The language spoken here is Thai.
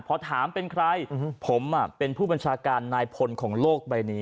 พอถามเป็นใครผมเป็นผู้บัญชาการนายพลของโลกใบนี้